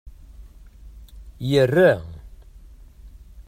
Yerra.